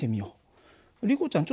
リコちゃん